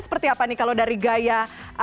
seperti apa nih kalau dari gaya